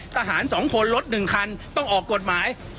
ทหารสองคนรถหนึ่งคันต้องออกกฎหมาย